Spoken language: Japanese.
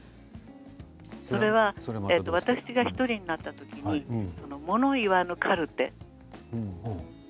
それは、私が１人になった時に物言わぬカルテ